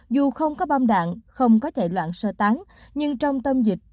dù không có bom đạn không có chạy loạn sơ tán nhưng trong tâm dịch